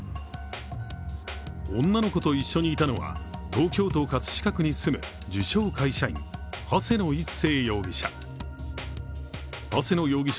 女の子と一緒にいたのは東京都葛飾区に住む自称・会社員長谷野一星容疑者。